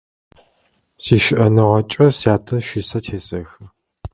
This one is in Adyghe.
Сищыӏэныгъэкӏэ сятэ щысэ тесэхы.